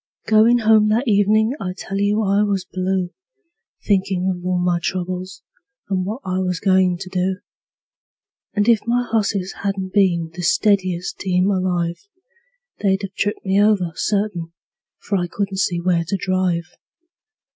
Goin' home that evenin' I tell you I was blue, Thinkin' of all my troubles, and what I was goin' to do; And if my hosses hadn't been the steadiest team alive, They'd 've tipped me over, certain, for I couldn't see where to drive.